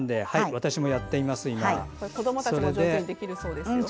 私もやってみます。